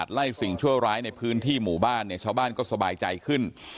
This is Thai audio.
ไล่สิ่งชั่วร้ายในพื้นที่หมู่บ้านเนี่ยชาวบ้านก็สบายใจขึ้น